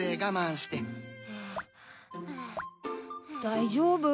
大丈夫？